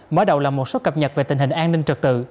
mở đầu là một số cập nhật về tình hình an ninh trật tự